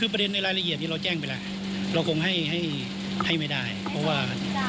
คือประเด็นในรายละเอียดนี้เราแจ้งไปแล้วเราคงให้ไม่ได้เพราะว่า